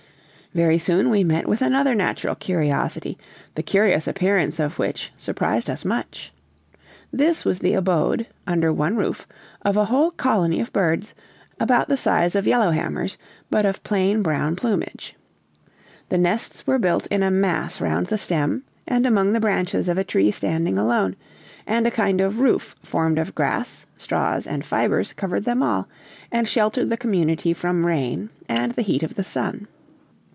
Very soon we met with another natural curiosity, the curious appearance of which surprised us much. This was the abode, under one roof, of a whole colony of birds, about the size of yellow hammers, but of plain brown plumage. The nests were built in a mass round the stem and among the branches of a tree standing alone, and a kind of roof formed of grass, straws, and fibers covered them all, and sheltered the community from rain and the heat of the sun.